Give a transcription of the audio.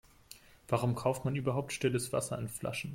Warum kauft man überhaupt stilles Wasser in Flaschen?